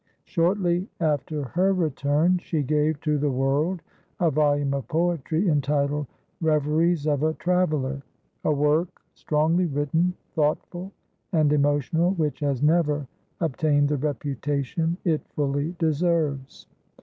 Shortly after her return she gave to the world a volume of poetry, entitled "Reveries of a Traveller," a work strongly written, thoughtful, and emotional, which has never obtained the reputation it fully deserves.